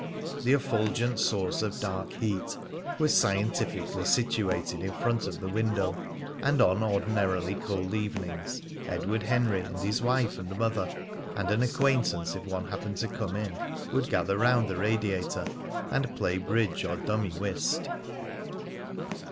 The effulgent source of dark heat was scientifically situated in front of the window, and on ordinarily cold evenings Edward Henry and his wife and mother, and an acquaintance if one happened to come in, would gather round the radiator and play bridge or dummy whist.